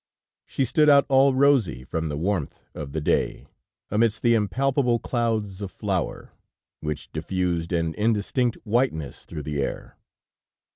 She stood out all rosy from the warmth of the day, amidst the impalpable clouds of flour, which diffused an indistinct whiteness through the air.